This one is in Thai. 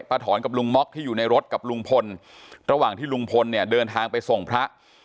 ถอนกับลุงม็อกที่อยู่ในรถกับลุงพลระหว่างที่ลุงพลเนี่ยเดินทางไปส่งพระ